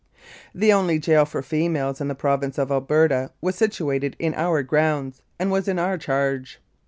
The only gaol for females in the Province of Alberta was situated in our grounds, and was in our charge.